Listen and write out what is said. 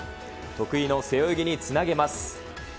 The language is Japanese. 得意の背泳ぎにつなげます。